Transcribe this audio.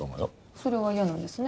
それは嫌なんですね。